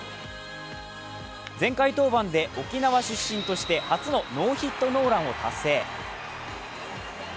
前回登板で沖縄出身として初のノーヒットノーランを達成。